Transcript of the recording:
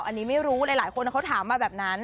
อันนี้ไม่รู้หลายคนเขาถามมาแบบนั้น